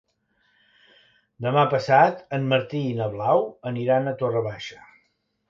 Demà passat en Martí i na Blau aniran a Torre Baixa.